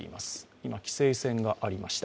今、規制線がありました。